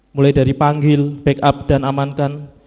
mulai dari panggil backup dan amankan